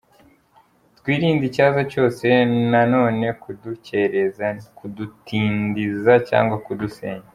Twirinde icyaza cyose na none kudukereza, kutudindiza cyangwa kudusenya.